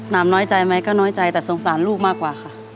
น้ำน้อยใจไหมก็น้อยใจแต่สงสารลูกมากกว่าค่ะ